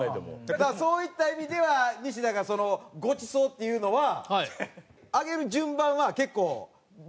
だからそういった意味では西田がその「ご馳走」って言うのは挙げる順番は結構大事や。